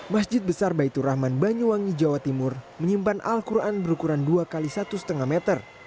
masjid besar baitur rahman banyuwangi jawa timur menyimpan al quran berukuran dua x satu lima meter